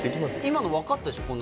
今の分かったでしょ？